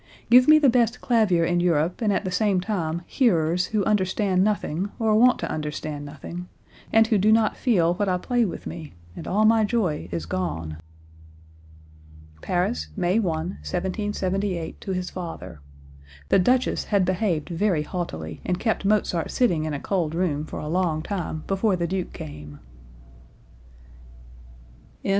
Give me the best clavier in Europe and at the same time hearers who understand nothing or want to understand nothing, and who do not feel what I play with me, and all my joy is gone." (Paris, May 1, 1778, to his father. The Duchess had behaved very haughtily and kept Mozart sitting in a cold room for a long time before the Duke came.) AT HOME AND ABROAD 163.